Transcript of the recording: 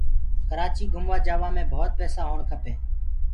ڪرآچيٚ گھموآ جآوآ مي ڀوت پيسآ هوو کپينٚ